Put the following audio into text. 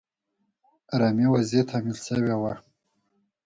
آرامي وضعې تحمیل شوې وه.